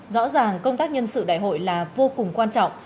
rõ ràng công tác nhân sự đại hội là vô cùng quan trọng